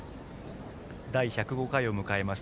第１０５回を迎えます